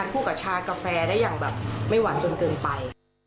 พูดความคุกทลากาแฟได้อย่างแบบไม่หวานจนเกินไป